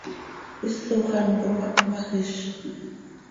Hisoj án com ah hmajíz.